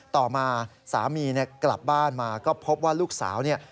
ต่อมาสามีเนี่ยกลับบ้านมาก็พบว่าลูกสาวเนี่ย